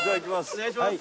お願いします